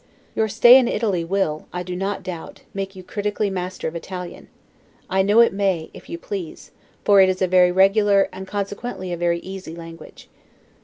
Your stay in Italy will, I do not doubt, make you critically master of Italian; I know it may, if you please, for it is a very regular, and consequently a very easy language.